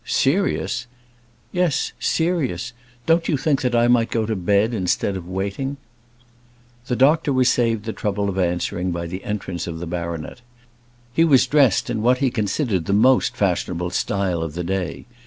"Serious!" "Yes; serious. Don't you think that I might go to bed, instead of waiting?" The doctor was saved the trouble of answering by the entrance of the baronet. He was dressed in what he considered the most fashionable style of the day.